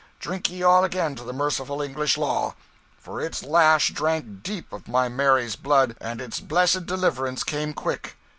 Drink ye all again to the merciful English law! for its lash drank deep of my Mary's blood and its blessed deliverance came quick.